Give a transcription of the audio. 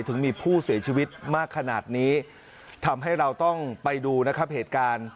ถึงมีผู้เสียชีวิตมากขนาดนี้ทำให้เราต้องไปดูนะครับเหตุการณ์